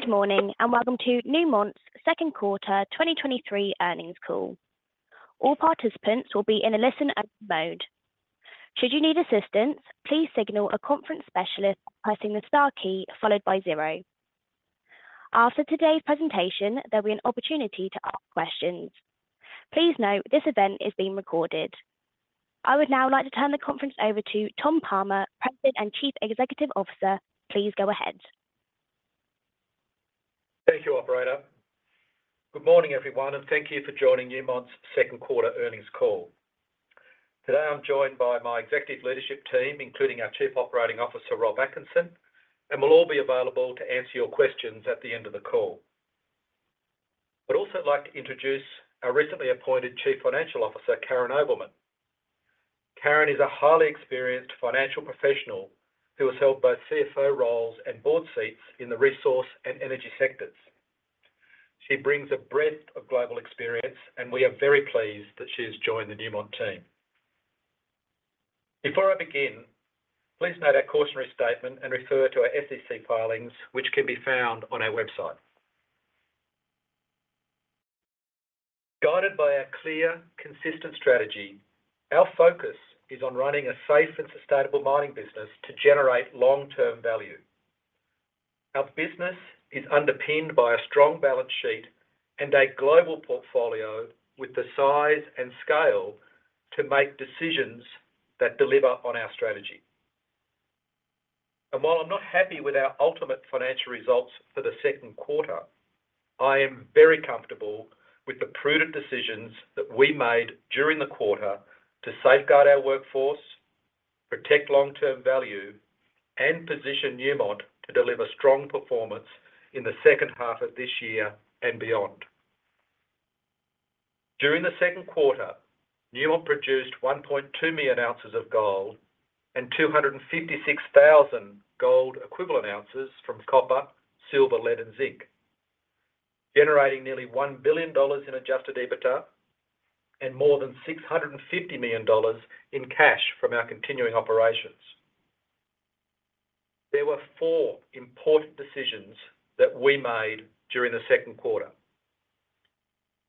Good morning, and welcome to Newmont's second quarter 2023 earnings call. All participants will be in a listen-only mode. Should you need assistance, please signal a conference specialist by pressing the star key followed by zero. After today's presentation, there will be an opportunity to ask questions. Please note, this event is being recorded. I would now like to turn the conference over to Tom Palmer, President and Chief Executive Officer. Please go ahead. Thank you, operator. Good morning, everyone, and thank you for joining Newmont's second quarter earnings call. Today, I'm joined by my executive leadership team, including our Chief Operating Officer, Rob Atkinson. We'll all be available to answer your questions at the end of the call. I'd also like to introduce our recently appointed Chief Financial Officer, Karyn Ovelmen. Karyn is a highly experienced financial professional who has held both CFO roles and board seats in the resource and energy sectors. She brings a breadth of global experience. We are very pleased that she has joined the Newmont team. Before I begin, please note our cautionary statement. Refer to our SEC filings, which can be found on our website. Guided by our clear, consistent strategy, our focus is on running a safe and sustainable mining business to generate long-term value. Our business is underpinned by a strong balance sheet and a global portfolio with the size and scale to make decisions that deliver on our strategy. While I'm not happy with our ultimate financial results for the second quarter, I am very comfortable with the prudent decisions that we made during the quarter to safeguard our workforce, protect long-term value, and position Newmont to deliver strong performance in the second half of this year and beyond. During the second quarter, Newmont produced 1.2 million oz of gold and 256,000 gold equivalent ounces from copper, silver, lead, and zinc, generating nearly $1 billion in adjusted EBITDA and more than $650 million in cash from our continuing operations. There were four important decisions that we made during the second quarter.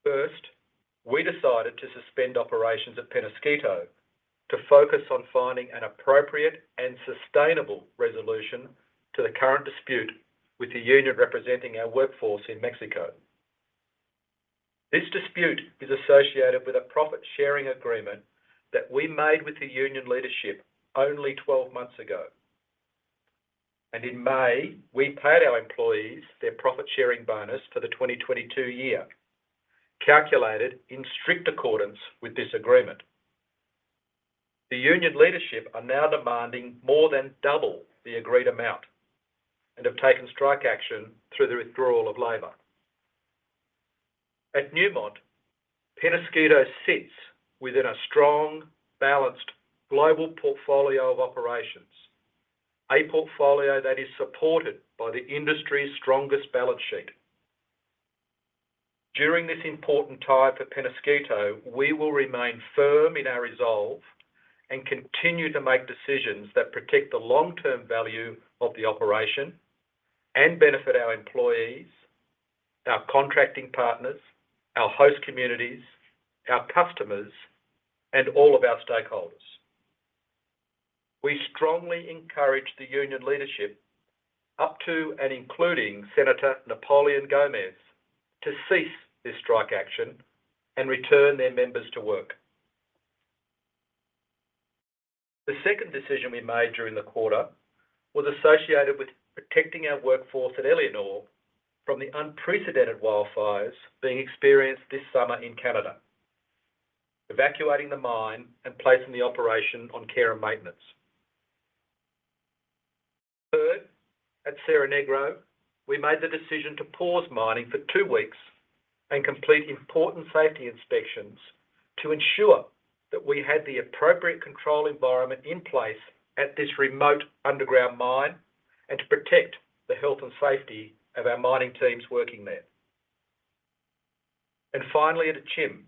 First, we decided to suspend operations at Peñasquito to focus on finding an appropriate and sustainable resolution to the current dispute with the union representing our workforce in Mexico. This dispute is associated with a profit-sharing agreement that we made with the union leadership only 12 months ago. In May, we paid our employees their profit-sharing bonus for the 2022 year, calculated in strict accordance with this agreement. The union leadership are now demanding more than double the agreed amount and have taken strike action through the withdrawal of labor. At Newmont, Peñasquito sits within a strong, balanced global portfolio of operations, a portfolio that is supported by the industry's strongest balance sheet. During this important time for Peñasquito, we will remain firm in our resolve and continue to make decisions that protect the long-term value of the operation and benefit our employees, our contracting partners, our host communities, our customers, and all of our stakeholders. We strongly encourage the union leadership, up to and including Senator Napoleón Gómez, to cease this strike action and return their members to work. The second decision we made during the quarter was associated with protecting our workforce at Éléonore from the unprecedented wildfires being experienced this summer in Canada, evacuating the mine and placing the operation on care and maintenance. Third, at Cerro Negro, we made the decision to pause mining for two weeks and complete important safety inspections to ensure that we had the appropriate control environment in place at this remote underground mine and to protect the health and safety of our mining teams working there. Finally, at Akyem,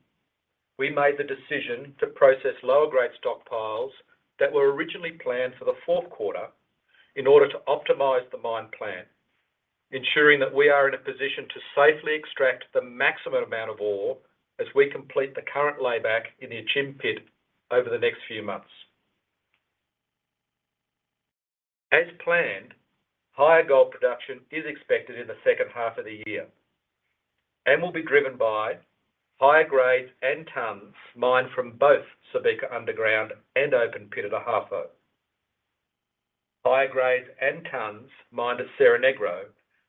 we made the decision to process lower-grade stockpiles that were originally planned for the fourth quarter in order to optimize the mine plan, ensuring that we are in a position to safely extract the maximum amount of ore as we complete the current layback in the Akyem pit over the next few months. As planned, higher gold production is expected in the second half of the year and will be driven by higher grades and tons mined from both Subika underground and open pit at Ahafo. Higher grades and tons mined at Cerro Negro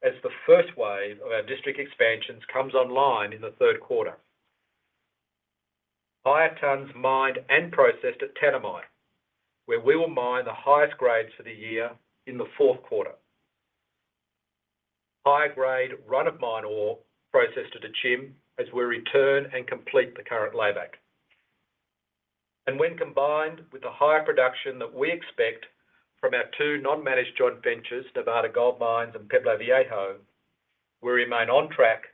as the first wave of our district expansions comes online in the third quarter. Higher tons mined and processed at Tanami, where we will mine the highest grades for the year in the fourth quarter. Higher grade run-of-mine ore processed at Akyem as we return and complete the current layback. When combined with the higher production that we expect from our two non-managed joint ventures, Nevada Gold Mines and Pueblo Viejo, we remain on track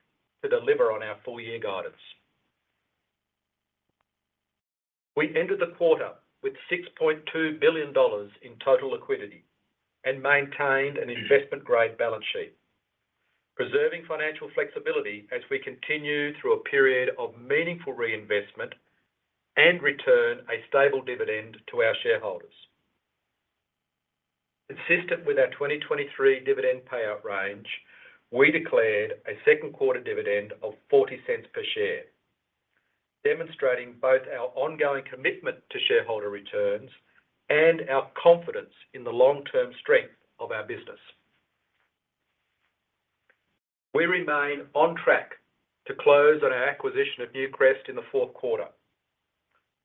to deliver on our full-year guidance. We entered the quarter with $6.2 billion in total liquidity and maintained an investment-grade balance sheet, preserving financial flexibility as we continue through a period of meaningful reinvestment and return a stable dividend to our shareholders. Consistent with our 2023 dividend payout range, we declared a second quarter dividend of $0.40 per share, demonstrating both our ongoing commitment to shareholder returns and our confidence in the long-term strength of our business. We remain on track to close on our acquisition of Newcrest in the fourth quarter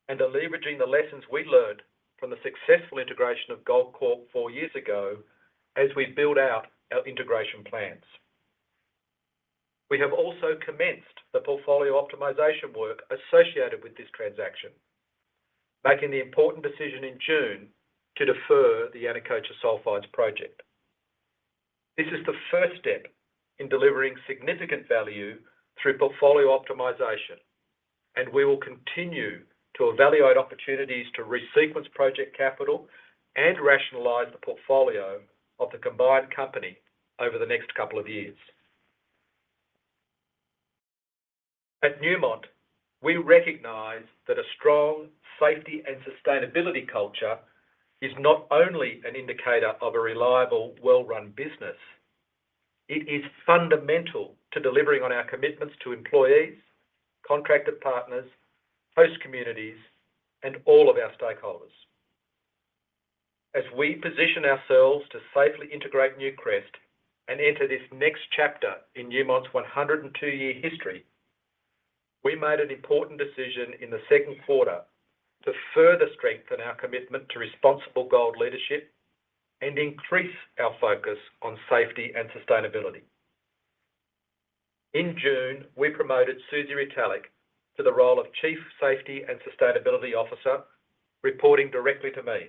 and are leveraging the lessons we learned from the successful integration of Goldcorp four years ago as we build out our integration plans. We have also commenced the portfolio optimization work associated with this transaction, making the important decision in June to defer the Yanacocha Sulfides project. This is the first step in delivering significant value through portfolio optimization, we will continue to evaluate opportunities to resequence project capital and rationalize the portfolio of the combined company over the next couple of years. At Newmont, we recognize that a strong safety and sustainability culture is not only an indicator of a reliable, well-run business, it is fundamental to delivering on our commitments to employees, contracted partners, host communities, and all of our stakeholders. As we position ourselves to safely integrate Newcrest and enter this next chapter in Newmont's 102-year history, we made an important decision in the second quarter to further strengthen our commitment to responsible gold leadership and increase our focus on safety and sustainability. In June, we promoted Suzanne Retallack to the role of Chief Safety and Sustainability Officer, reporting directly to me.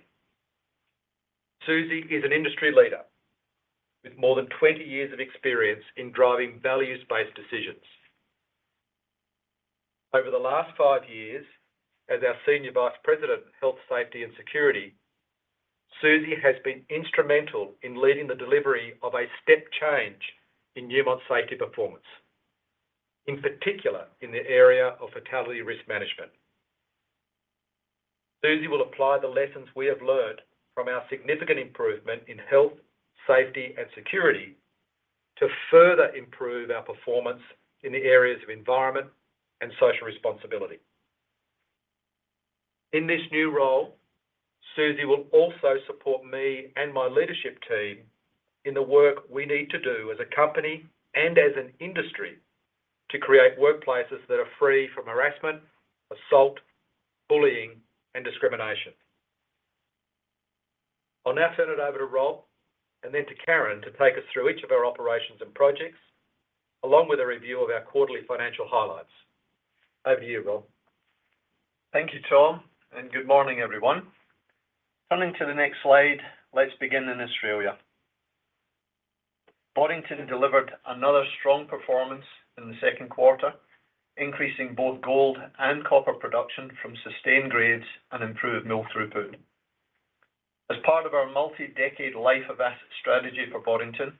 Suzanne is an industry leader with more than 20 years of experience in driving values-based decisions. Over the last five years, as our Senior Vice President, Health, Safety, and Security, Susie has been instrumental in leading the delivery of a step change in Newmont's safety performance, in particular, in the area of fatality risk management. Susie will apply the lessons we have learned from our significant improvement in health, safety, and security to further improve our performance in the areas of environment and social responsibility. In this new role, Susie will also support me and my leadership team in the work we need to do as a company and as an industry to create workplaces that are free from harassment, assault, bullying, and discrimination. I'll now turn it over to Rob and then to Karyn to take us through each of our operations and projects, along with a review of our quarterly financial highlights. Over to you, Rob. Thank you, Tom, and good morning, everyone. Turning to the next slide, let's begin in Australia. Boddington delivered another strong performance in the second quarter, increasing both gold and copper production from sustained grades and improved mill throughput. As part of our multi-decade life of asset strategy for Boddington,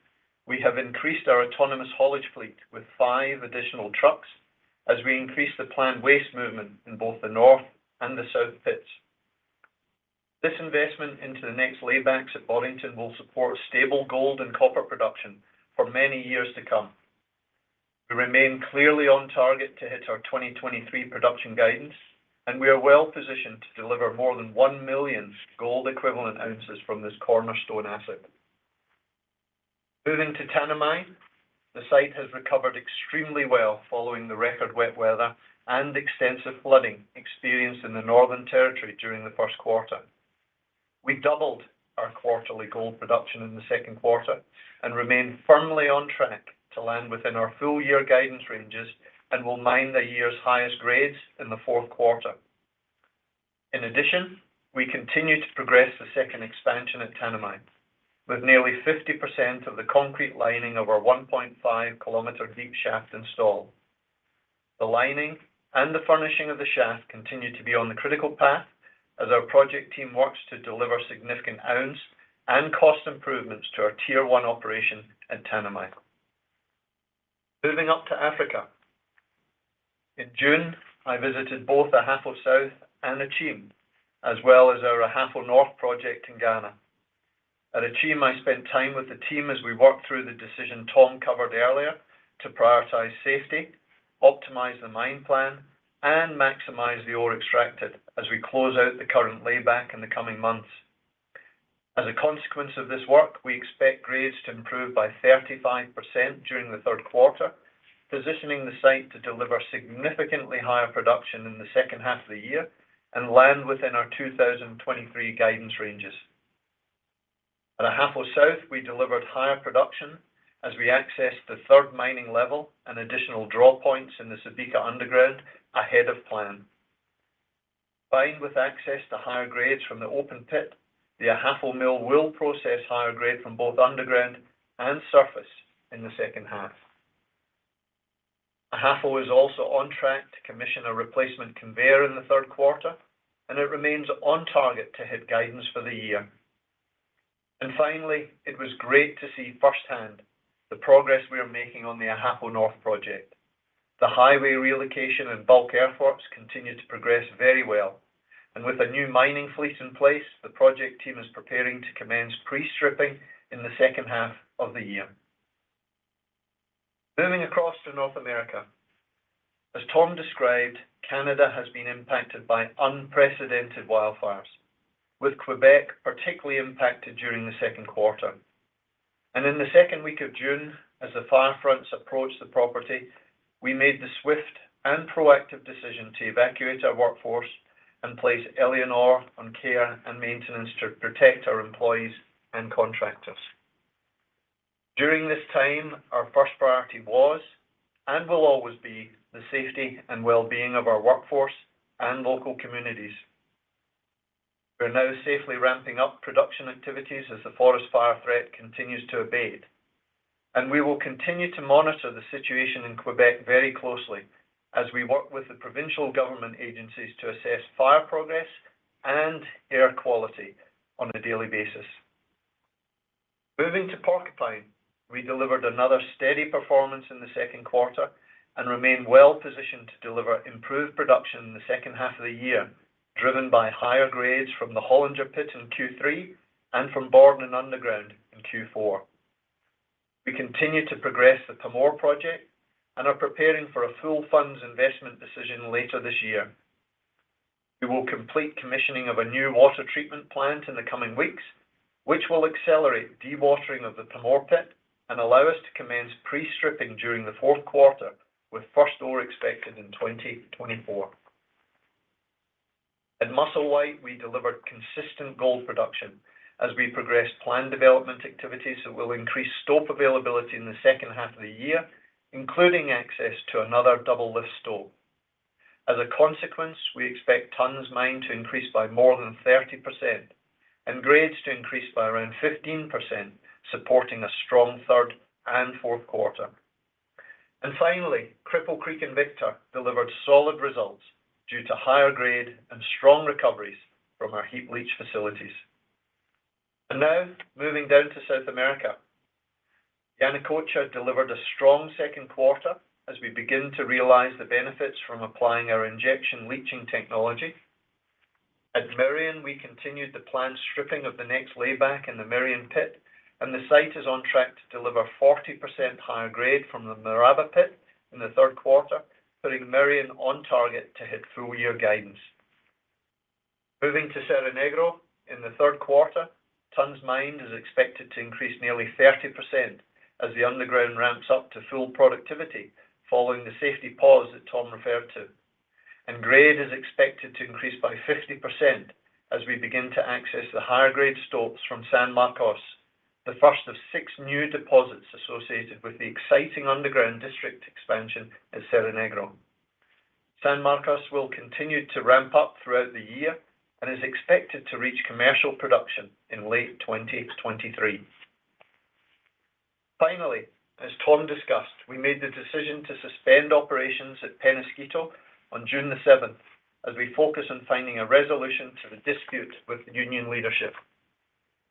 we have increased our autonomous haulage fleet with five additional trucks as we increase the planned waste movement in both the north and the south pits. This investment into the next laybacks at Boddington will support stable gold and copper production for many years to come. We remain clearly on target to hit our 2023 production guidance, and we are well positioned to deliver more than 1 million gold equivalent ounces from this cornerstone asset. Moving to Tanami, the site has recovered extremely well following the record wet weather and extensive flooding experienced in the Northern Territory during the first quarter. We doubled our quarterly gold production in the second quarter and remain firmly on track to land within our full-year guidance ranges and will mine the year's highest grades in the fourth quarter. In addition, we continue to progress the second expansion at Tanami, with nearly 50% of the concrete lining of our 1.5 km deep shaft installed. The lining and the furnishing of the shaft continue to be on the critical path as our project team works to deliver significant ounce and cost improvements to our tier one operation at Tanami. Moving up to Africa. In June, I visited both Ahafo South and Akyem, as well as our Ahafo North project in Ghana. At Akyem, I spent time with the team as we worked through the decision Tom covered earlier to prioritize safety, optimize the mine plan, and maximize the ore extracted as we close out the current layback in the coming months. As a consequence of this work, we expect grades to improve by 35% during the third quarter, positioning the site to deliver significantly higher production in the second half of the year and land within our 2023 guidance ranges. At Ahafo South, we delivered higher production as we accessed the third mining level and additional drawpoints in the Subika underground ahead of plan. Combined with access to higher grades from the open pit, the Ahafo mill will process higher grade from both underground and surface in the second half. Ahafo is also on track to commission a replacement conveyor in the third quarter. It remains on target to hit guidance for the year. Finally, it was great to see firsthand the progress we are making on the Ahafo North project. The highway relocation and bulk earthworks continue to progress very well. With a new mining fleet in place, the project team is preparing to commence pre-stripping in the second half of the year. Moving across to North America. As Tom described, Canada has been impacted by unprecedented wildfires, with Quebec particularly impacted during th second quarter. In the second week of June, as the fire fronts approached the property, we made the swift and proactive decision to evacuate our workforce and place Éléonore on care and maintenance to protect our employees and contractors. During this time, our first priority was, and will always be, the safety and well-being of our workforce and local communities. We are now safely ramping up production activities as the forest fire threat continues to abate, and we will continue to monitor the situation in Quebec very closely as we work with the provincial government agencies to assess fire progress and air quality on a daily basis. Moving to Porcupine, we delivered another steady performance in the second quarter and remain well positioned to deliver improved production in the second half of the year, driven by higher grades from the Hollinger Pit in Q3 and from Borden and underground in Q4. We continue to progress the Pamour project and are preparing for a full funds investment decision later this year. We will complete commissioning of a new water treatment plant in the coming weeks, which will accelerate dewatering of the Pamour pit and allow us to commence pre-stripping during the fourth quarter, with first ore expected in 2024. At Musselwhite, we delivered consistent gold production as we progressed planned development activities that will increase stope availability in the second half of the year, including access to another double lift stope. As a consequence, we expect tonnes mined to increase by more than 30% and grades to increase by around 15%, supporting a strong third and fourth quarter. Finally, Cripple Creek and Victor delivered solid results due to higher grade and strong recoveries from our heap leach facilities. Now, moving down to South America. Yanacocha delivered a strong second quarter as we begin to realize the benefits from applying our injection leaching technology. At Merian, we continued the planned stripping of the next layback in the Merian pit, and the site is on track to deliver 40% higher grade from the Maraba pit in the third quarter, putting Merian on target to hit full year guidance. Moving to Cerro Negro, in the third quarter, tonnes mined is expected to increase nearly 30% as the underground ramps up to full productivity following the safety pause that Tom referred to. Grade is expected to increase by 50% as we begin to access the higher-grade stopes from San Marcos, the first of six new deposits associated with the exciting underground district expansion at Cerro Negro. San Marcos will continue to ramp up throughout the year and is expected to reach commercial production in late 2023. As Tom discussed, we made the decision to suspend operations at Peñasquito on June 7th, as we focus on finding a resolution to the dispute with the union leadership.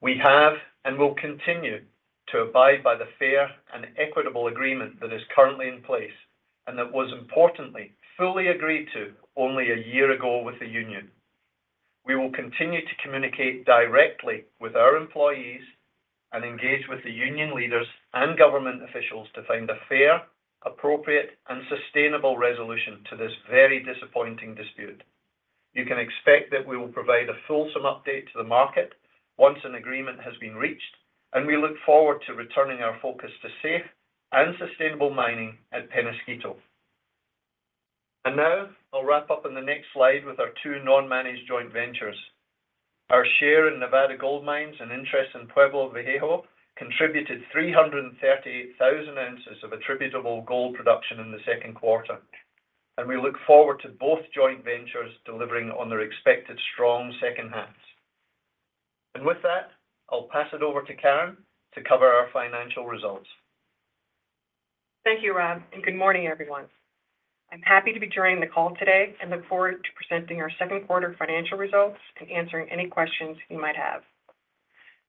We have and will continue to abide by the fair and equitable agreement that is currently in place, that was importantly, fully agreed to only a year ago with the union. We will continue to communicate directly with our employees and engage with the union leaders and government officials to find a fair, appropriate, and sustainable resolution to this very disappointing dispute. You can expect that we will provide a fulsome update to the market once an agreement has been reached, We look forward to returning our focus to safe and sustainable mining at Peñasquito. Now I'll wrap up in the next slide with our two non-managed joint ventures. Our share in Nevada Gold Mines and interest in Pueblo Viejo contributed 338,000 oz of attributable gold production in the second quarter, and we look forward to both joint ventures delivering on their expected strong second halves. I'll pass it over to Karyn to cover our financial results. Thank you, Rob. Good morning, everyone. I'm happy to be joining the call today and look forward to presenting our second quarter financial results and answering any questions you might have.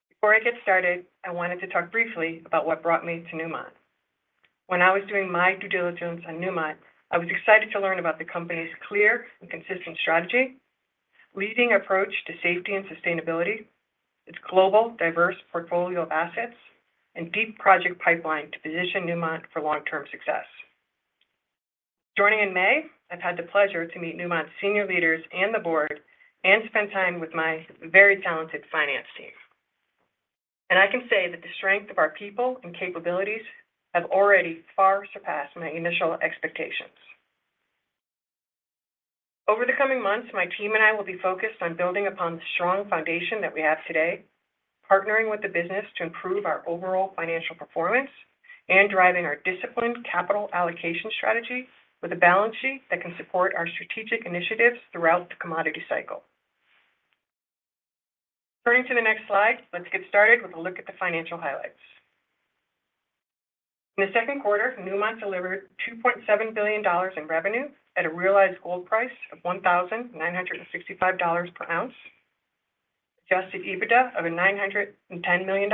Before I get started, I wanted to talk briefly about what brought me to Newmont. When I was doing my due diligence on Newmont, I was excited to learn about the company's clear and consistent strategy, leading approach to safety and sustainability, its global, diverse portfolio of assets, and deep project pipeline to position Newmont for long-term success. Joining in May, I've had the pleasure to meet Newmont senior leaders and the board, and spend time with my very talented finance team. I can say that the strength of our people and capabilities have already far surpassed my initial expectations. Over the coming months, my team and I will be focused on building upon the strong foundation that we have today, partnering with the business to improve our overall financial performance, and driving our disciplined capital allocation strategy with a balance sheet that can support our strategic initiatives throughout the commodity cycle. Turning to the next slide, let's get started with a look at the financial highlights. In the second quarter, Newmont delivered $2.7 billion in revenue at a realized gold price of $1,965 per ounce. Adjusted EBITDA of $910 million,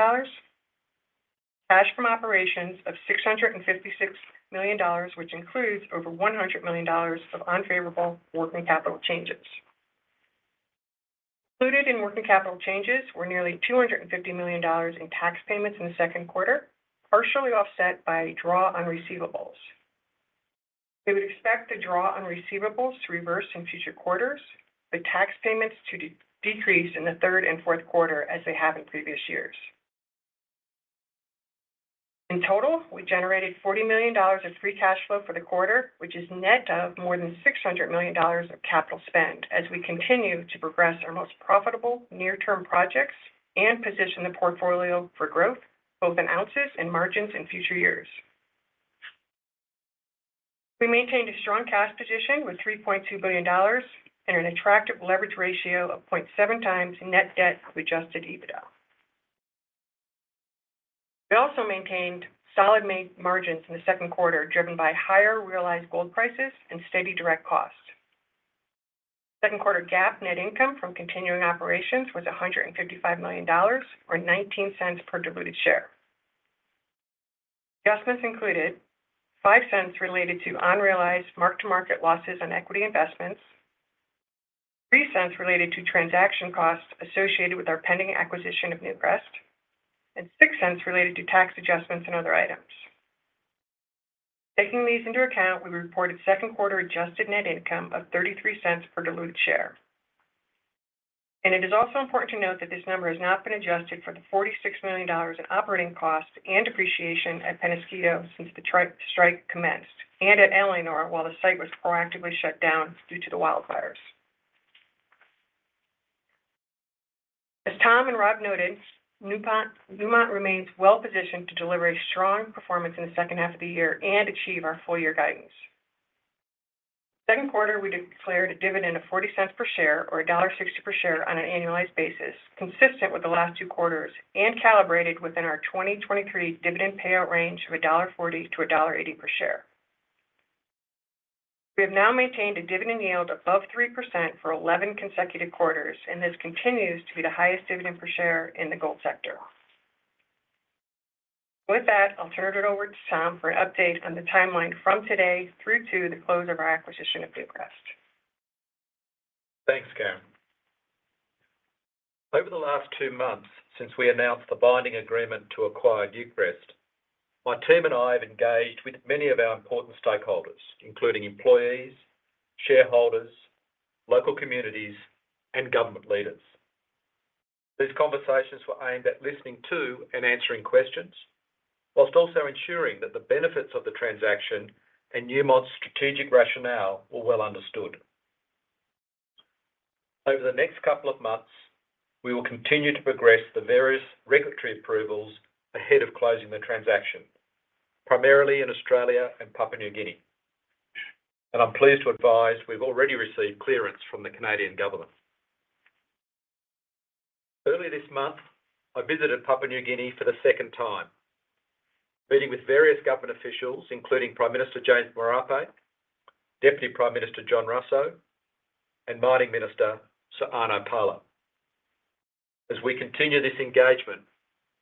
cash from operations of $656 million, which includes over $100 million of unfavorable working capital changes. Included in working capital changes were nearly $250 million in tax payments in the second quarter, partially offset by a draw on receivables. We would expect the draw on receivables to reverse in future quarters, the tax payments to decrease in the third and fourth quarter, as they have in previous years. In total, we generated $40 million of free cash flow for the quarter, which is net of more than $600 million of capital spend, as we continue to progress our most profitable near-term projects and position the portfolio for growth, both in ounces and margins in future years. We maintained a strong cash position with $3.2 billion and an attractive leverage ratio of 0.7x net debt with adjusted EBITDA. We also maintained solid main margins in the second quarter, driven by higher realized gold prices and steady direct costs. Second quarter GAAP net income from continuing operations was $155 million or $0.19 per diluted share. Adjustments included $0.05 related to unrealized mark-to-market losses on equity investments, $0.03 related to transaction costs associated with our pending acquisition of Newcrest, and $0.06 related to tax adjustments and other items. Taking these into account, we reported second quarter adjusted net income of $0.33 per diluted share. It is also important to note that this number has not been adjusted for the $46 million in operating costs and depreciation at Peñasquito since the strike commenced, and at Éléonore, while the site was proactively shut down due to the wildfires. As Tom and Rob noted, Newmont remains well-positioned to deliver a strong performance in the second half of the year and achieve our full-year guidance. Second quarter, we declared a dividend of $0.40 per share or $1.60 per share on an annualized basis, consistent with the last two quarters, and calibrated within our 2023 dividend payout range of $1.40-$1.80 per share. We have now maintained a dividend yield above 3% for 11 consecutive quarters, and this continues to be the highest dividend per share in the gold sector. With that, I'll turn it over to Tom for an update on the timeline from today through to the close of our acquisition of Newcrest. Thanks, Karyn. Over the last two months, since we announced the binding agreement to acquire Newcrest, my team and I have engaged with many of our important stakeholders, including employees, shareholders, local communities, and government leaders. These conversations were aimed at listening to and answering questions, while also ensuring that the benefits of the transaction and Newmont's strategic rationale were well understood. Over the next couple of months, we will continue to progress the various regulatory approvals ahead of closing the transaction, primarily in Australia and Papua New Guinea. I'm pleased to advise we've already received clearance from the Canadian government. Earlier this month, I visited Papua New Guinea for the second time, meeting with various government officials, including Prime Minister James Marape, Deputy Prime Minister John Rosso, and Mining Minister Sir Ano Pala. As we continue this engagement,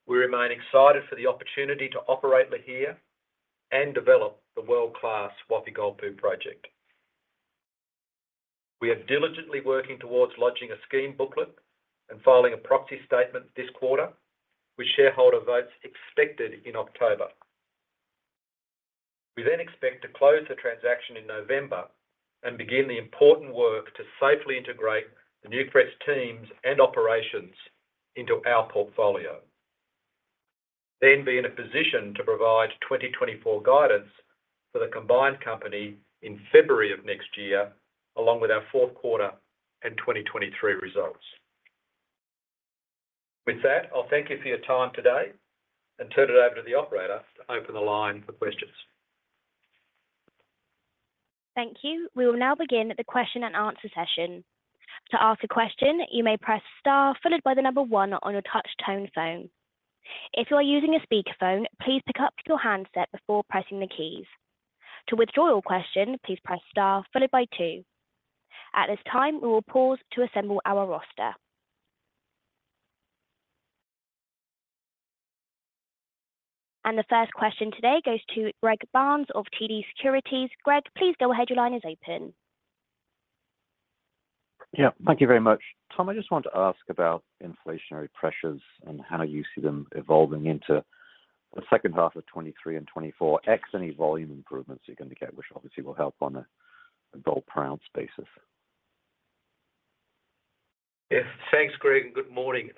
we remain excited for the opportunity to operate here and develop the world-class Wafi-Golpu Project. We are diligently working towards lodging a scheme booklet and filing a proxy statement this quarter, with shareholder votes expected in October. We expect to close the transaction in November and begin the important work to safely integrate the Newcrest teams and operations into our portfolio. Be in a position to provide 2024 guidance for the combined company in February of next year, along with our fourth quarter and 2023 results. With that, I'll thank you for your time today and turn it over to the operator to open the line for questions. Thank you. We will now begin the question-and-answer session. To ask a question, you may press star followed by the one on your touch tone phone. If you are using a speakerphone, please pick up your handset before pressing the keys. To withdraw your question, please press star followed by two. At this time, we will pause to assemble our roster. The first question today goes to Greg Barnes of TD Securities. Greg, please go ahead. Your line is open. Yeah, thank you very much. Tom, I just wanted to ask about inflationary pressures and how you see them evolving into the second half of 2023 and 2024, X, any volume improvements you can indicate, which obviously will help on a gold per ounce basis? Yes, thanks, Greg. Good morning.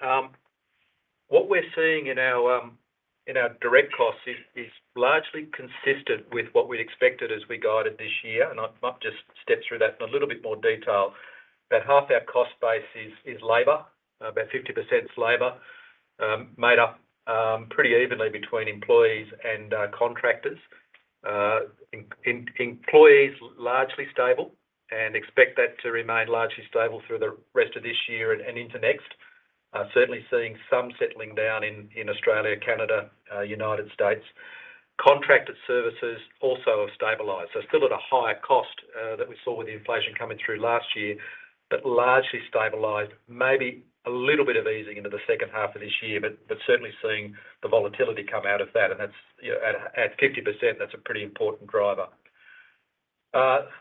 What we're seeing in our direct costs is largely consistent with what we'd expected as we guided this year. I might just step through that in a little bit more detail. About half our cost base is labor, about 50% is labor, made up pretty evenly between employees and contractors. Employees largely stable. Expect that to remain largely stable through the rest of this year and into next. Certainly seeing some settling down in Australia, Canada, United States. Contracted services also have stabilized, still at a higher cost that we saw with the inflation coming through last year, but largely stabilized. Maybe a little bit of easing into the second half of this year, but certainly seeing the volatility come out of that, and that's, you know, at 50%, that's a pretty important driver. 30%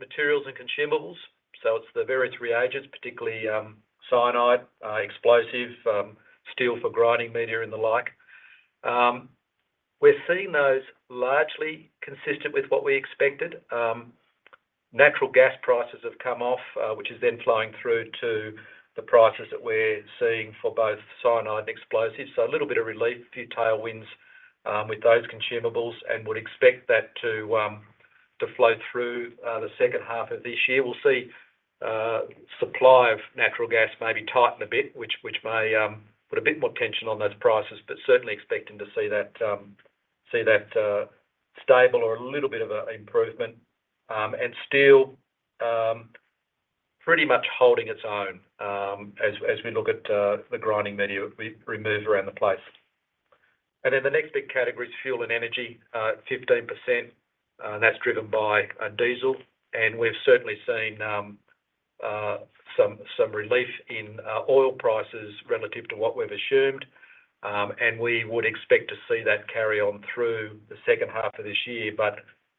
materials and consumables, so it's the various reagents, particularly cyanide, explosive, steel for grinding media, and the like. We're seeing those largely consistent with what we expected. Natural gas prices have come off, which is then flowing through to the prices that we're seeing for both cyanide and explosives. A little bit of relief, a few tailwinds with those consumables and would expect that to flow through the second half of this year. We'll see supply of natural gas maybe tighten a bit, which may put a bit more tension on those prices, but certainly expecting to see that stable or a little bit of a improvement. Still pretty much holding its own as we look at the grinding media we move around the place. Then the next big category is fuel and energy, 15%, and that's driven by diesel. We've certainly seen some relief in oil prices relative to what we've assumed. We would expect to see that carry on through the second half of this year,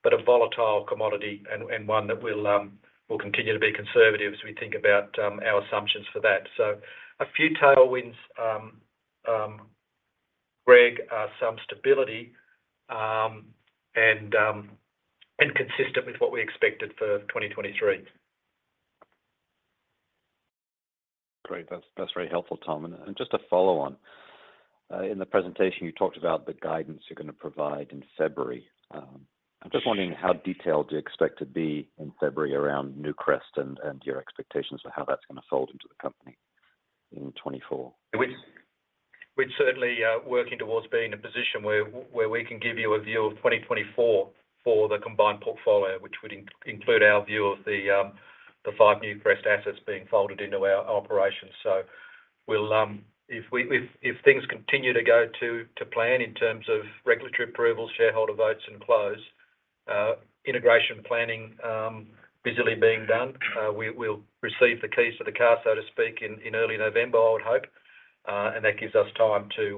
but a volatile commodity and one that we'll continue to be conservative as we think about our assumptions for that. A few tailwinds, Greg, some stability, and consistent with what we expected for 2023. Great. That's very helpful, Tom. Just to follow on, in the presentation, you talked about the guidance you're gonna provide in February. I'm just wondering how detailed you expect to be in February around Newcrest and your expectations for how that's gonna fold into the company in 2024? We're certainly working towards being in a position where we can give you a view of 2024 for the combined portfolio, which would include our view of the five Newcrest assets being folded into our operations. If things continue to go to plan in terms of regulatory approvals, shareholder votes, and close integration planning, busily being done, we'll receive the keys to the car, so to speak, in early November, I would hope. That gives us time to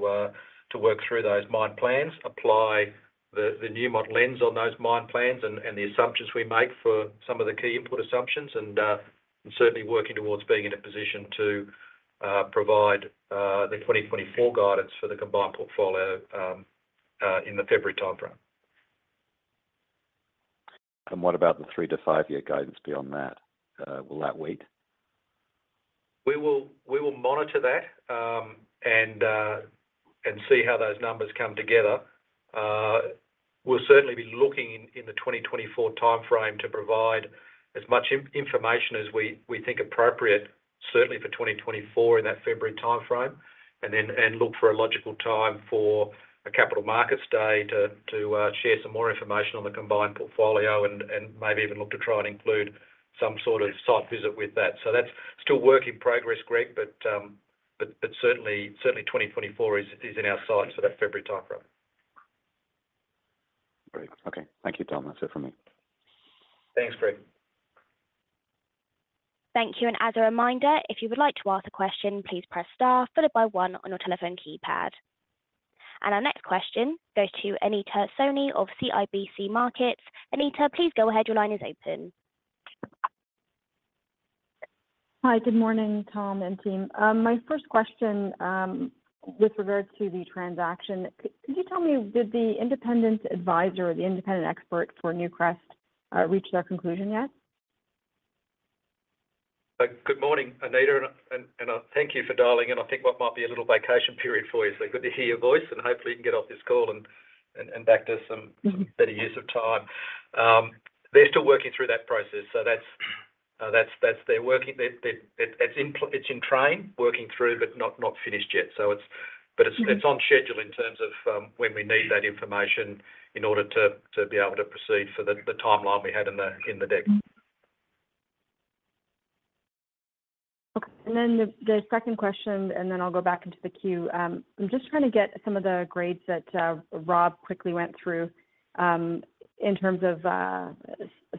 work through those mine plans, apply the new model lens on those mine plans and the assumptions we make for some of the key input assumptions and certainly working towards being in a position to provide the 2024 guidance for the combined portfolio in the February timeframe. What about the three-to-five-year guidance beyond that? Will that wait? We will monitor that and see how those numbers come together. We'll certainly be looking in the 2024 timeframe to provide as much information as we think appropriate, certainly for 2024 in that February timeframe, and then look for a logical time for a capital markets day to share some more information on the combined portfolio and maybe even look to try and include some sort of site visit with that. That's still a work in progress, Greg, but certainly 2024 is in our sights for that February timeframe. Great. Okay. Thank you, Tom. That's it for me. Thanks, Greg. Thank you. As a reminder, if you would like to ask a question, please press star followed by one on your telephone keypad. Our next question goes to Anita Soni of CIBC Markets. Anita, please go ahead. Your line is open. Hi, good morning, Tom and team. My first question with regards to the transaction, could you tell me, did the independent advisor or the independent expert for Newcrest reach their conclusion yet? Good morning, Anita, and thank you for dialing in, I think, what might be a little vacation period for you. Good to hear your voice, and hopefully, you can get off this call and back to some better use of time. They're still working through that process, so that's, they're working. It's in, it's in train, working through, but not finished yet, so it's on schedule in terms of, when we need that information in order to be able to proceed for the timeline we had in the, in the deck. Okay, the second question, and then I'll go back into the queue. I'm just trying to get some of the grades that, Rob quickly went through, in terms of...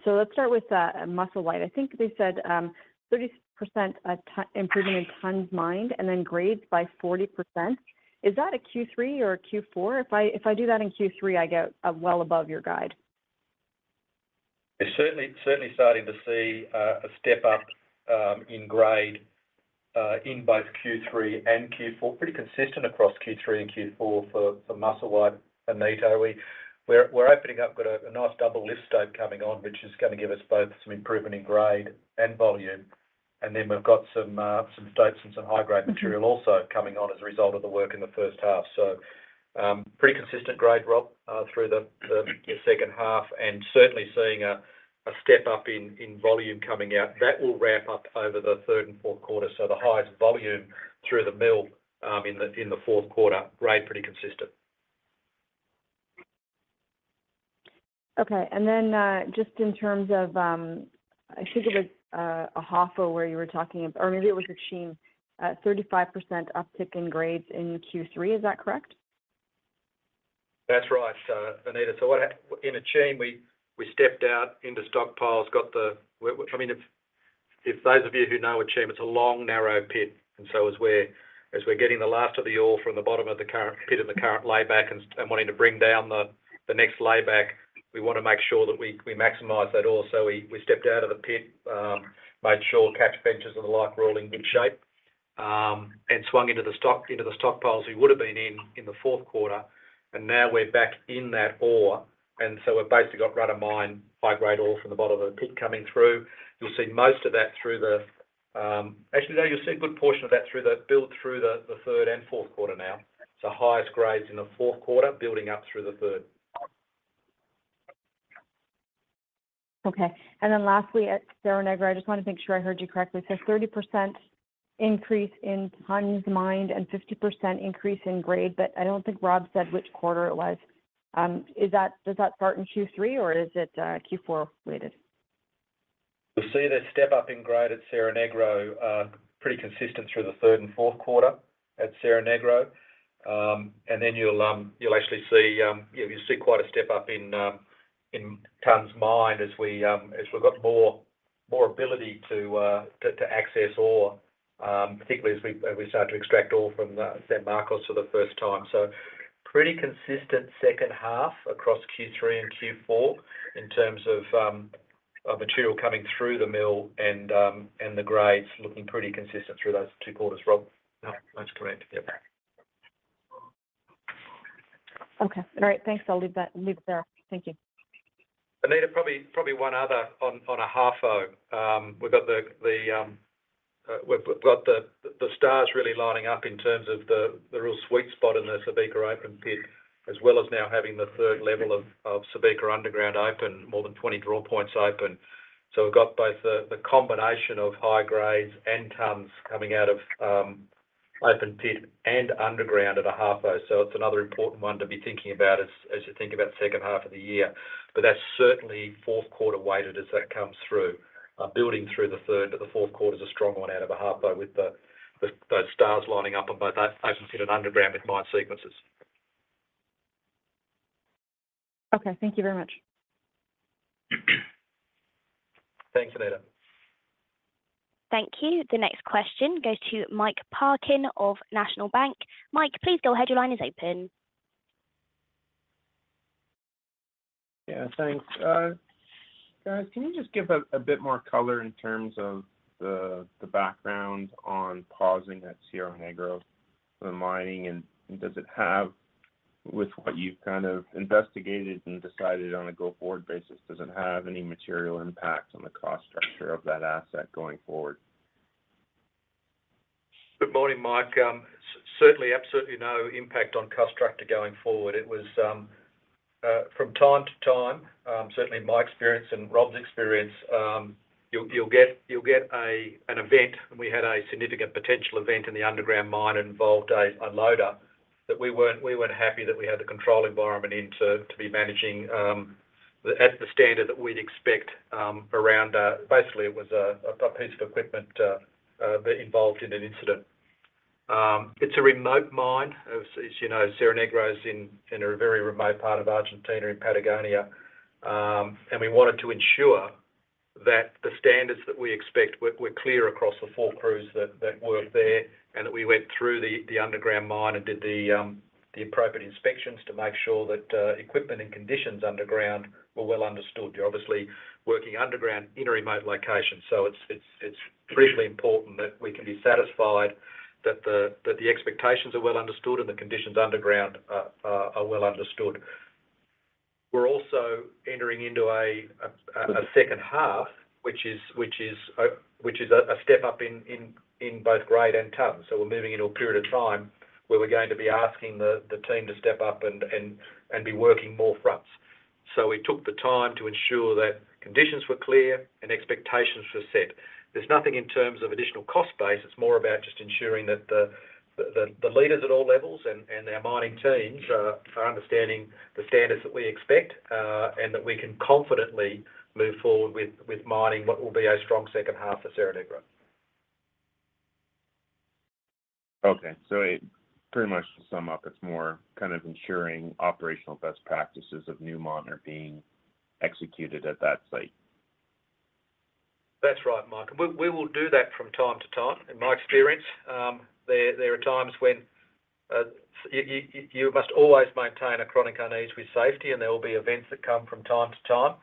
Let's start with, Musselwhite. I think they said, 30%, improvement in tonnes mined and then grades by 40%. Is that a Q3 or a Q4? If I do that in Q3, I get, well above your guide. It's certainly starting to see a step up in grade in both Q3 and Q4. Pretty consistent across Q3 and Q4 for Musselwhite, Anita. We're opening up, got a nice double lift stope coming on, which is gonna give us both some improvement in grade and volume, and then we've got some stopes and some high-grade material also coming on as a result of the work in the first half. Pretty consistent grade, Rob, through the second half, and certainly seeing a step up in volume coming out. That will ramp up over the third and fourth quarter. The highest volume through the mill in the fourth quarter. Grade, pretty consistent. Okay. Just in terms of, I think it was Ahafo, where you were talking, or maybe it was Akyem, 35% uptick in grades in Q3, is that correct? That's right, Anita Soni. In Akyem, we stepped out into stockpiles. I mean, if those of you who know Akyem, it's a long, narrow pit, as we're getting the last of the ore from the bottom of the current pit and the current layback and wanting to bring down the next layback, we wanna make sure that we maximize that ore. We stepped out of the pit, made sure catch benches and the like were all in good shape, swung into the stockpiles we would have been in the fourth quarter, and now we're back in that ore. We've basically got run of mine, high-grade ore from the bottom of the pit coming through. You'll see most of that through the. Actually, no, you'll see a good portion of that build through the third and fourth quarter now. Highest grades in the fourth quarter, building up through the third. Okay. Lastly, at Cerro Negro, I just want to make sure I heard you correctly. It says 30% increase in tons mined and 50% increase in grade. I don't think Rob said which quarter it was. Does that start in Q3, or is it Q4 related? You'll see the step up in grade at Cerro Negro, pretty consistent through the third and fourth quarter at Cerro Negro. Then you'll actually see, yeah, you'll see quite a step-up in tons mined as we've got more ability to access ore, particularly as we start to extract ore from the San Marcos for the first time. Pretty consistent second half across Q3 and Q4 in terms of material coming through the mill and the grades looking pretty consistent through those two quarters. Rob? Yeah, that's correct. Yep. Okay. All right. Thanks. I'll leave that, leave it there. Thank you. Anita, probably one other on Ahafo. We've got the stars really lining up in terms of the real sweet spot in the Subika open pit, as well as now having the third level of Subika underground open, more than 20 drawpoints open. We've got both the combination of high grades and tonnes coming out of open pit and underground at Ahafo. It's another important one to be thinking about as you think about the second half of the year. That's certainly fourth quarter weighted as that comes through. Building through the third to the fourth quarter is a strong one out of Ahafo, with those stars lining up on both open pit and underground with mine sequences. Okay, thank you very much. Thanks, Anita. Thank you. The next question goes to Mike Parkin of National Bank. Mike, please go ahead. Your line is open. Yeah, thanks. Guys, can you just give a bit more color in terms of the background on pausing at Cerro Negro, the mining? Does it have, with what you've kind of investigated and decided on a go-forward basis, any material impact on the cost structure of that asset going forward? Good morning, Mike. Certainly, absolutely no impact on cost structure going forward. It was from time to time, certainly in my experience and Rob's experience, you'll get an event, and we had a significant potential event in the underground mine. It involved a loader that we weren't happy that we had the control environment in to be managing at the standard that we'd expect around basically, it was a piece of equipment that involved in an incident. It's a remote mine. As you know, Cerro Negro is in a very remote part of Argentina, in Patagonia. We wanted to ensure that the standards that we expect were clear across the four crews that work there, and that we went through the underground mine and did the appropriate inspections to make sure that equipment and conditions underground were well understood. You're obviously working underground in a remote location, so it's critically important that we can be satisfied that the expectations are well understood and the conditions underground are well understood. We're also entering into a second half, which is a step up in both grade and tonnes. We're moving into a period of time where we're going to be asking the team to step up and be working more fronts. We took the time to ensure that conditions were clear and expectations were set. There's nothing in terms of additional cost base. It's more about just ensuring that the leaders at all levels and our mining teams are understanding the standards that we expect, and that we can confidently move forward with mining what will be a strong second half for Cerro Negro. Okay. It pretty much to sum up, it's more kind of ensuring operational best practices of Newmont are being executed at that site. That's right, Mike. We will do that from time to time. In my experience, there are times when you must always maintain a chronic unease with safety, there will be events that come from time to time.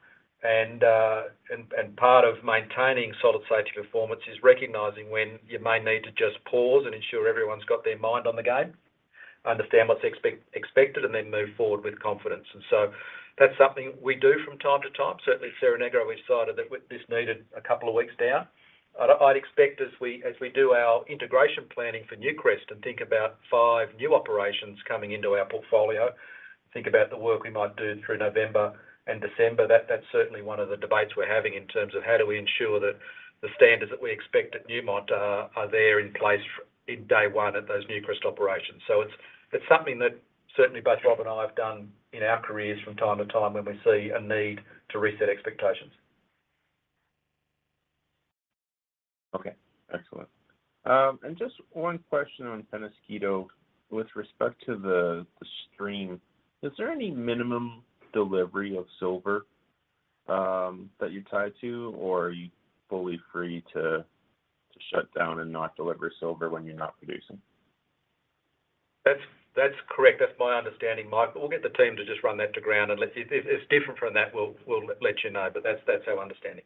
Part of maintaining solid safety performance is recognizing when you may need to just pause and ensure everyone's got their mind on the game, understand what's expected, and then move forward with confidence. That's something we do from time to time. Certainly, at Cerro Negro, we decided that this needed two weeks down. I'd expect as we do our integration planning for Newcrest and think about 5 new operations coming into our portfolio, think about the work we might do through November and December. That's certainly one of the debates we're having in terms of how do we ensure that the standards that we expect at Newmont are there in place in day one at those Newcrest operations. It's something that certainly both Rob and I have done in our careers from time to time when we see a need to reset expectations. Okay, excellent. Just one question on Peñasquito. With respect to the stream, is there any minimum delivery of silver that you're tied to, or are you fully free to shut down and not deliver silver when you're not producing? That's, that's correct. That's my understanding, Mike. We'll get the team to just run that to ground, unless if it's different from that, we'll let you know, but that's our understanding.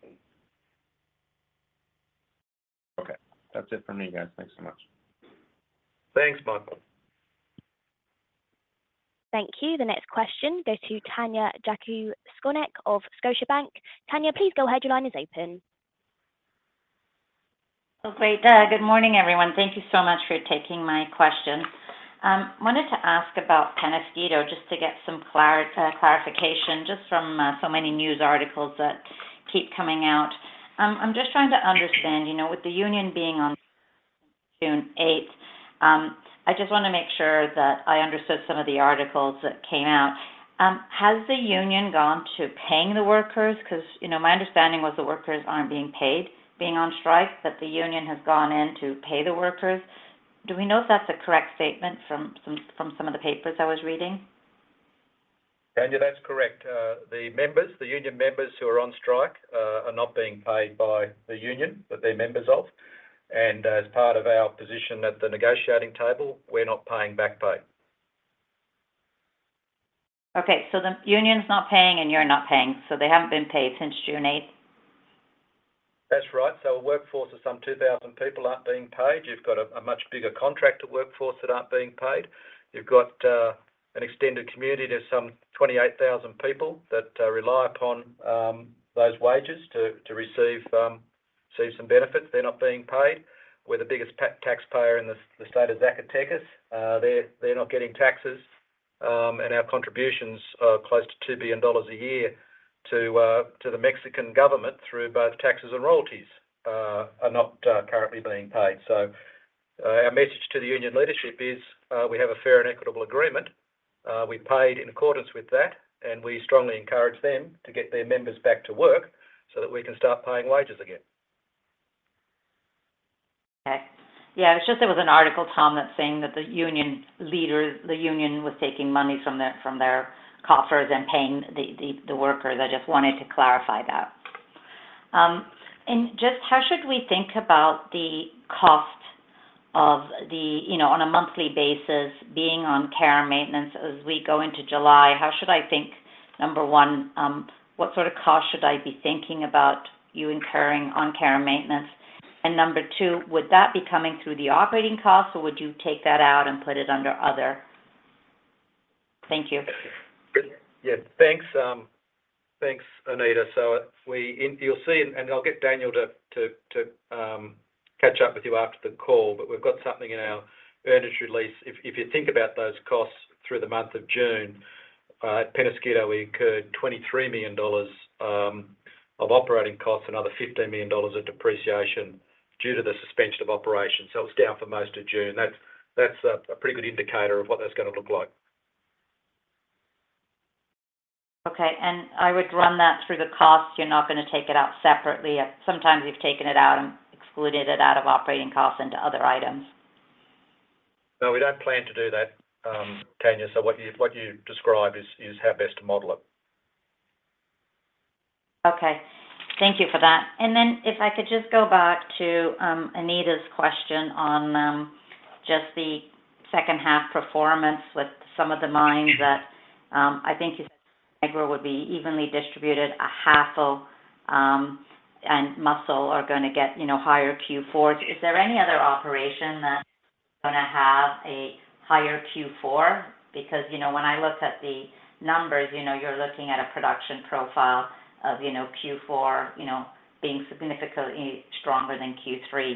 Okay. That's it for me, guys. Thanks so much. Thanks, Mike. Thank you. The next question goes to Tanya Jakusconek of Scotiabank. Tanya, please go ahead. Your line is open. Oh, great. Good morning, everyone. Thank you so much for taking my question. Wanted to ask about Peñasquito, just to get some clarification, just from so many news articles that keep coming out. I'm just trying to understand, you know, with the union being on June eighth, I just wanna make sure that I understood some of the articles that came out. Has the union gone to paying the workers? 'Cause, you know, my understanding was the workers aren't being paid, being on strike, that the union has gone in to pay the workers. Do we know if that's a correct statement from some of the papers I was reading? Tanya, that's correct. The members, the union members who are on strike, are not being paid by the union that they're members of. As part of our position at the negotiating table, we're not paying back pay. Okay. The union's not paying, and you're not paying, so they haven't been paid since June 8th? That's right. A workforce of some 2,000 people aren't being paid. You've got a much bigger contractor workforce that aren't being paid. You've got an extended community to some 28,000 people that rely upon those wages to receive some benefits. They're not being paid. We're the biggest taxpayer in the state of Zacatecas. They're not getting taxes, and our contributions are close to $2 billion a year to the Mexican government through both taxes and royalties are not currently being paid. Our message to the union leadership is we have a fair and equitable agreement. We've paid in accordance with that, and we strongly encourage them to get their members back to work so that we can start paying wages again. Okay. Yeah, it's just there was an article, Tom, that's saying that the union leaders, the union was taking money from their, from their coffers and paying the, the workers. I just wanted to clarify that. Just how should we think about the cost of the, you know, on a monthly basis being on care and maintenance as we go into July? How should I think, number one, what sort of cost should I be thinking about you incurring on care and maintenance? Number two, would that be coming through the operating costs, or would you take that out and put it under other? Thank you. Good. Yeah, thanks, Anita. You'll see, and I'll get Daniel to catch up with you after the call, but we've got something in our earnings release. If you think about those costs through the month of June, at Peñasquito, we incurred $23 million of operating costs, another $15 million of depreciation due to the suspension of operations. It was down for most of June. That's a pretty good indicator of what that's gonna look like. Okay, I would run that through the costs. You're not going to take it out separately? Sometimes you've taken it out and excluded it out of operating costs into other items. No, we don't plan to do that, Tanya, so what you, what you described is how best to model it. Okay. Thank you for that. If I could just go back to Anita's question on just the second half performance with some of the mines that I think would be evenly distributed, Ahafo, and Musselwhite are gonna get, you know, higher Q4. Is there any other operation that's gonna have a higher Q4? When I look at the numbers, you know, you're looking at a production profile of, you know, Q4, you know, being significantly stronger than Q3.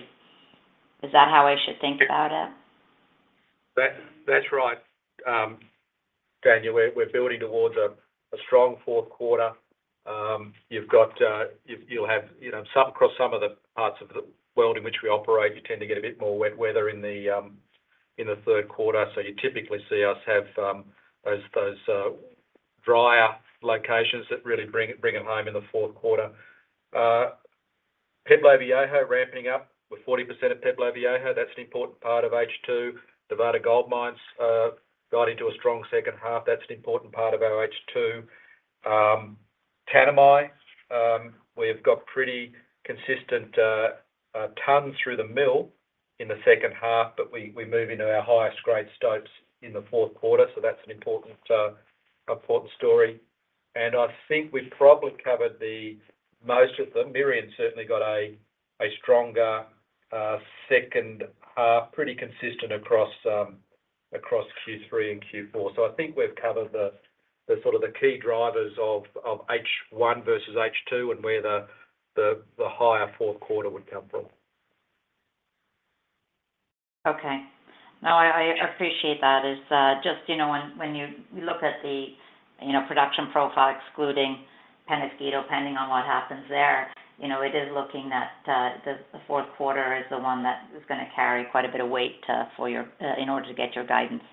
Is that how I should think about it? That's right. Tanya, we're building towards a strong fourth quarter. You've got, you'll have, you know, some, across some of the parts of the world in which we operate, you tend to get a bit more wet weather in the third quarter. You typically see us have those drier locations that really bring it home in the fourth quarter. Peñasquito ramping up with 40% of Peñasquito. That's an important part of H2. Nevada Gold Mines got into a strong second half. That's an important part of our H2. Tanami, we've got pretty consistent tons through the mill in the second half, but we move into our highest grade stopes in the fourth quarter, so that's an important story. I think we've probably covered the most of them. Merian's certainly got a stronger second half, pretty consistent across Q3 and Q4. I think we've covered the sort of the key drivers of H1 versus H2 and where the higher fourth quarter would come from. Okay. No, I appreciate that. It's just, you know, when you look at the, you know, production profile excluding Peñasquito, depending on what happens there, you know, it is looking that the fourth quarter is the one that is gonna carry quite a bit of weight for your in order to get your guidance.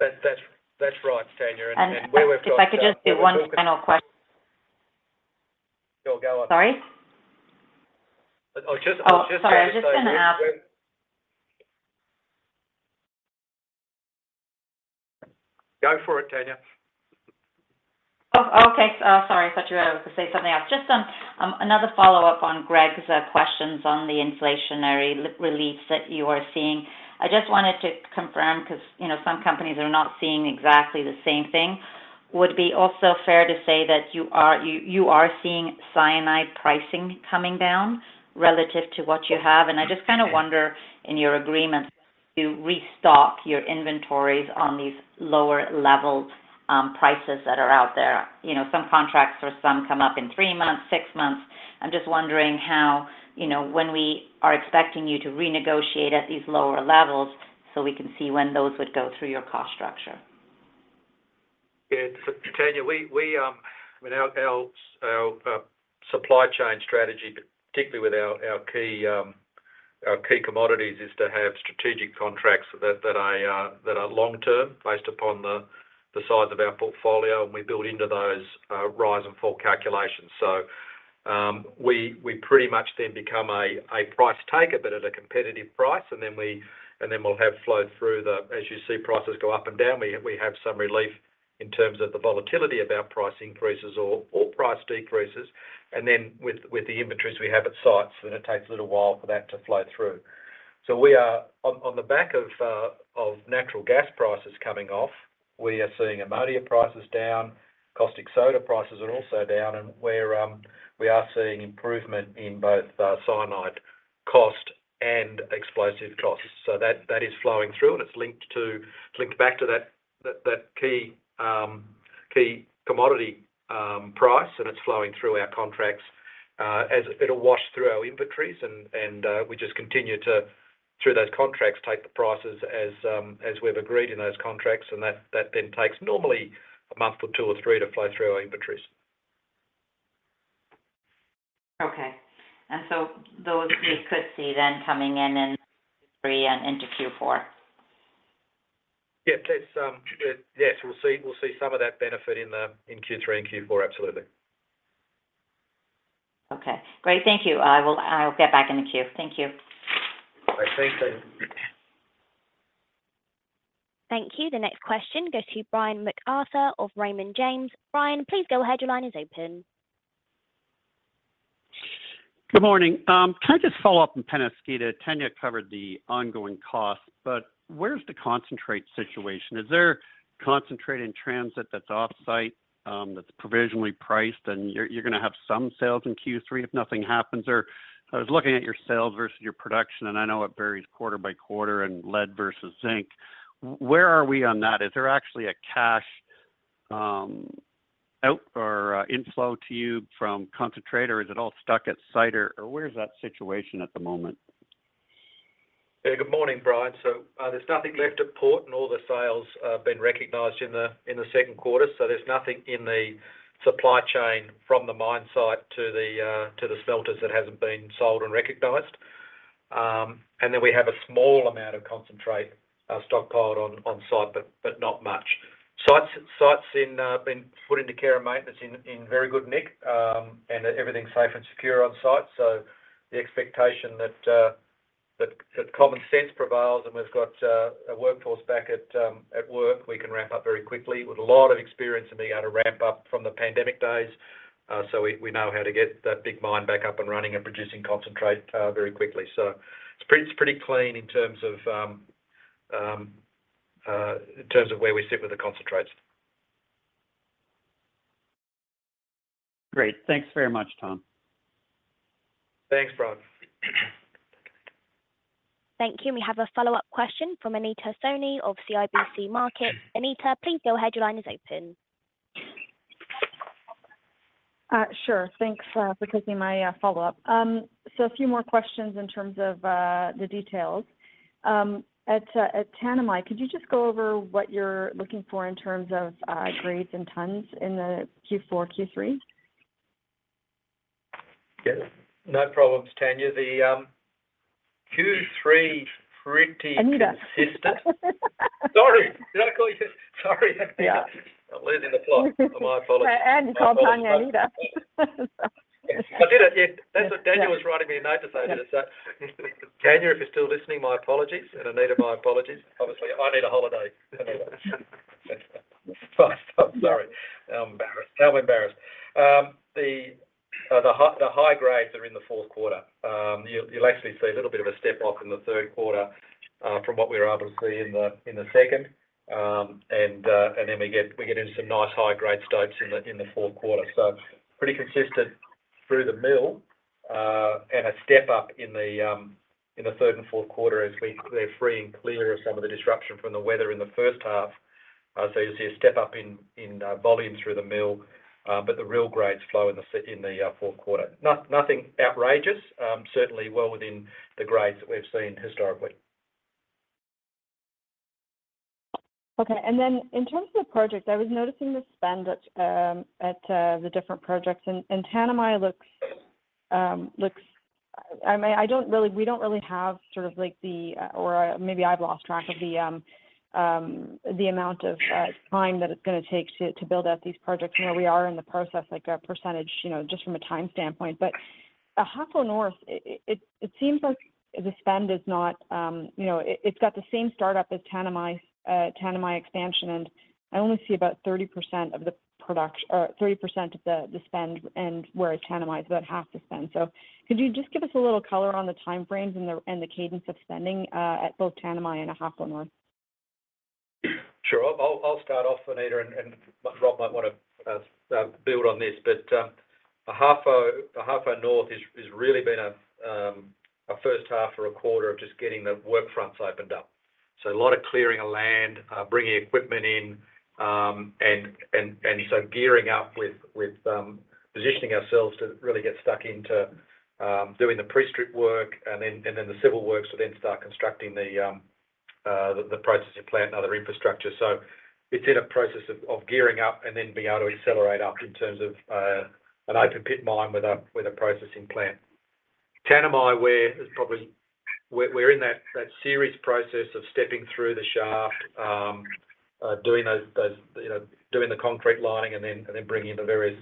That's right, Tanya, and where we've. If I could just do one final question. Sure, go on. Sorry? Oh, just. Oh, sorry. I'm just gonna... Go for it, Tanya. Okay. Sorry, I thought you were gonna say something else. Just another follow-up on Greg's questions on the inflationary relief that you are seeing. I just wanted to confirm, 'cause, you know, some companies are not seeing exactly the same thing. Would it be also fair to say that you are seeing cyanide pricing coming down relative to what you have? I just kind of wonder in your agreements to restock your inventories on these lower-level prices that are out there. You know, some contracts for some come up in three months, six months. I'm just wondering how, you know, when we are expecting you to renegotiate at these lower levels so we can see when those would go through your cost structure. Tanya, we, I mean, our supply chain strategy, particularly with our key commodities, is to have strategic contracts that are long term based upon the size of our portfolio, we build into those rise and fall calculations. We pretty much then become a price taker, at a competitive price, we'll have flow through the, as you see prices go up and down, we have some relief in terms of the volatility of our price increases or price decreases. With the inventories we have at sites, then it takes a little while for that to flow through. We are on the back of natural gas prices coming off, we are seeing ammonia prices down, caustic soda prices are also down, and where we are seeing improvement in both cyanide cost and explosive costs. That is flowing through, and it's linked back to that key commodity price, and it's flowing through our contracts. As it'll wash through our inventories and we just continue to, through those contracts, take the prices as we've agreed in those contracts, and that then takes normally a month or two or three to flow through our inventories. Okay. Those we could see then coming in in Q3 and into Q4? Yeah, that's, yes, we'll see some of that benefit in the, in Q3 and Q4. Absolutely. Okay. Great. Thank you. I'll get back in the queue. Thank you. Okay, thanks, Tanya. Thank you. The next question goes to Brian MacArthur of Raymond James. Brian, please go ahead. Your line is open. Good morning. Can I just follow up on Peñasquito? Tanya covered the ongoing costs, where's the concentrate situation? Is there concentrate in transit that's off-site, that's provisionally priced, and you're gonna have some sales in Q3 if nothing happens? I was looking at your sales versus your production, and I know it varies quarter by quarter and lead versus zinc. Where are we on that? Is there actually a cash out or inflow to you from concentrator? Is it all stuck at site, or where's that situation at the moment? Good morning, Brian. There's nothing left at port, and all the sales have been recognized in the second quarter. There's nothing in the supply chain from the mine site to the smelters that hasn't been sold and recognized. We have a small amount of concentrate stockpiled on site, but not much. Site's in been put into care and maintenance in very good nick, and everything's safe and secure on site. The expectation that common sense prevails and we've got a workforce back at work, we can ramp up very quickly with a lot of experience in being able to ramp up from the pandemic days. We know how to get that big mine back up and running and producing concentrate, very quickly. It's pretty clean in terms of, in terms of where we sit with the concentrates. Great. Thanks very much, Tom. Thanks, Brian. Thank you. We have a follow-up question from Anita Soni of CIBC Markets. Anita, please go ahead. Your line is open. Sure. Thanks for taking my follow-up. A few more questions in terms of the details. At Tanami, could you just go over what you're looking for in terms of grades and tons in the Q4, Q3? Yes. No problems, Tanya. The Q3- Anita. consistent. Sorry, did I call you... Sorry. Yeah. I'm losing the plot. My apologies. And called Tanya, Anita. I did it. Yeah, that's what Daniel was writing me a note to say just that. Tanya, if you're still listening, my apologies, and Anita, my apologies. Obviously, I need a holiday. Sorry, I'm embarrassed. I'm embarrassed. The high grades are in the fourth quarter. You'll actually see a little bit of a step off in the third quarter, from what we were able to see in the second. Then we get into some nice high-grade stopes in the fourth quarter. Pretty consistent through the mill, and a step up in the third and fourth quarter as they're freeing clear of some of the disruption from the weather in the first half. You'll see a step up in, volume through the mill, but the real grades flow in the fourth quarter. Nothing outrageous, certainly well within the grades that we've seen historically. In terms of the project, I was noticing the spend at the different projects, and Tanami looks, I mean, we don't really have sort of like the or maybe I've lost track of the amount of time that it's gonna take to build out these projects, where we are in the process, like, a percentage, you know, just from a time standpoint. Ahafo North, it seems like the spend is not, you know, it's got the same startup as Tanami expansion, and I only see about 30% of the production. Or 30% of the spend, and where Tanami is about half the spend. Could you just give us a little color on the timeframes and the cadence of spending, at both Tanami and Ahafo North? Sure. I'll start off, Anita, and Rob might wanna build on this. Ahafo, the Ahafo North has really been a first half or a quarter of just getting the work fronts opened up. A lot of clearing of land, bringing equipment in, and so gearing up with positioning ourselves to really get stuck into doing the pre-strip work and then the civil works will then start constructing the processing plant and other infrastructure. It's in a process of gearing up and then being able to accelerate up in terms of an open pit mine with a processing plant. Tanami, where it's probably. We're in that serious process of stepping through the shaft, doing those, you know, doing the concrete lining and then bringing in the various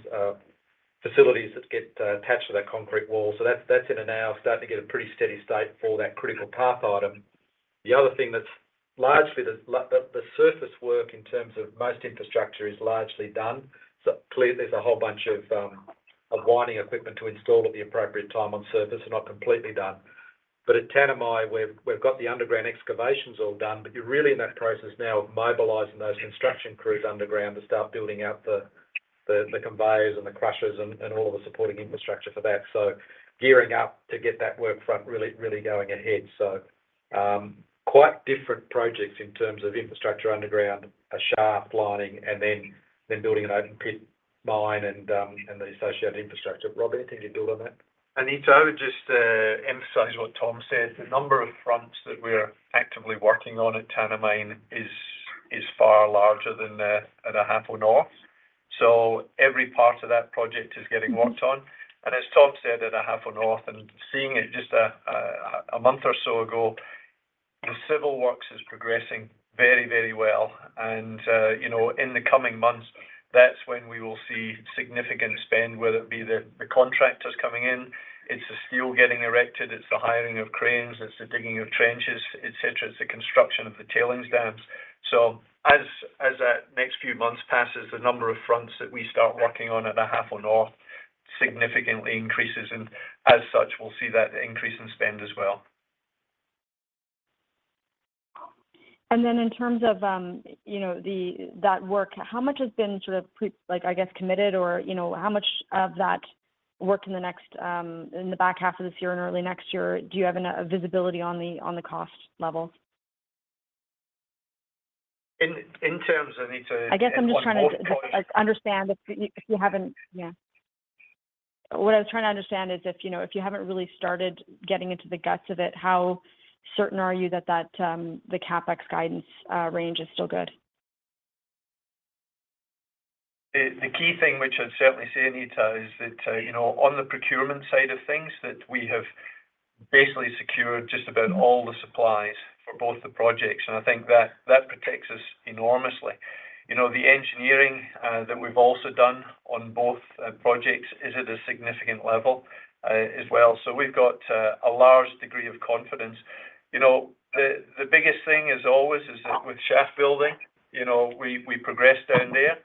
facilities that get attached to that concrete wall. That's in a now, starting to get a pretty steady state for that critical path item. The other thing that's largely the surface work in terms of most infrastructure is largely done. Clearly, there's a whole bunch of mining equipment to install at the appropriate time on surface and not completely done. At Tanami, we've got the underground excavations all done, but you're really in that process now of mobilizing those construction crews underground to start building out the conveyors and the crushers and all of the supporting infrastructure for that. Gearing up to get that work front really going ahead. Quite different projects in terms of infrastructure underground, a shaft lining, and then building an open pit mine and the associated infrastructure. Rob, anything to build on that? Anita, I would just emphasize what Tom said. The number of fronts that we're actively working on at Tanami is far larger than at Ahafo North. Every part of that project is getting worked on. As Tom said, at Ahafo North, and seeing it just a month or so ago, the civil works is progressing very, very well, you know, in the coming months, that's when we will see significant spend, whether it be the contractors coming in, it's the steel getting erected, it's the hiring of cranes, it's the digging of trenches, et cetera. It's the construction of the tailings dams. As that next few months passes, the number of fronts that we start working on at Ahafo North significantly increases, and as such, we'll see that increase in spend as well. Then in terms of, you know, the, that work, how much has been sort of Like, I guess, committed or, you know, how much of that work in the next, in the back half of this year and early next year, do you have enough visibility on the, on the cost level? In terms, Anita, in what point? What I was trying to understand is if, you know, if you haven't really started getting into the guts of it, how certain are you that the CapEx guidance range is still good? The key thing, which I'd certainly say, Anita, is that, you know, on the procurement side of things, that we have basically secured just about all the supplies for both the projects, I think that protects us enormously. You know, the engineering that we've also done on both projects is at a significant level as well. We've got a large degree of confidence. You know, the biggest thing is always is that with shaft building, you know, we progress down there,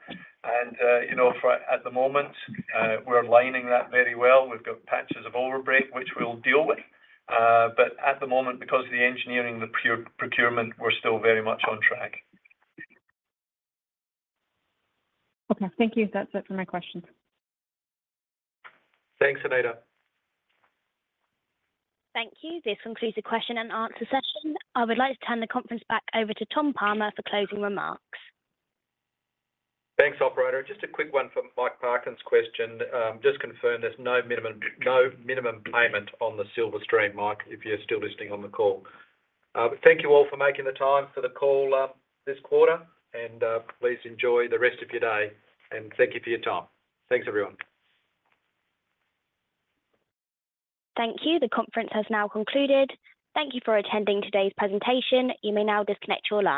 at the moment, we're aligning that very well. We've got patches of overbreak, which we'll deal with, but at the moment, because of the engineering, the procurement, we're still very much on track. Okay. Thank you. That's it for my questions. Thanks, Anita. Thank you. This concludes the question-and-answer session. I would like to turn the conference back over to Tom Palmer for closing remarks. Thanks, operator. Just a quick one for Mike Parkin's question. Just confirm there's no minimum payment on the silver stream, Mike, if you're still listening on the call. Thank you all for making the time for the call, this quarter, and, please enjoy the rest of your day, and thank you for your time. Thanks, everyone. Thank you. The conference has now concluded. Thank you for attending today's presentation. You may now disconnect your line.